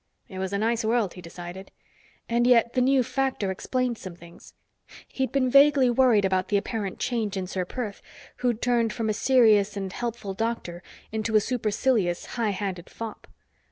It was a nice world, he decided. And yet the new factor explained some things. He'd been vaguely worried about the apparent change in Ser Perth, who'd turned from a serious and helpful doctor into a supercilious, high handed fop.